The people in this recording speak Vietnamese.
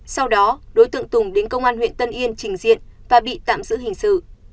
sau đó đối tượng tùng đến công an huyện tân yên trình diện và bị tạm giữ hình sự